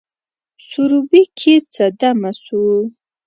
سروبي کښي څه دمه سوو